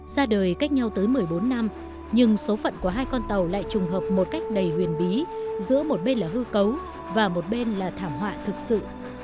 ra đời cách nhau tới một mươi bốn năm nhưng số phận của hai con tàu lại trùng hợp một cách đầy huyền bí giữa một bên là hư cấu và một bên là thảm họa thực sự